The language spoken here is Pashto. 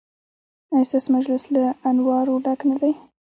ایا ستاسو مجلس له انوارو ډک نه دی؟